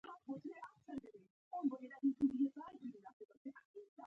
رسۍ تل نرم نه وي، کله سخت وي.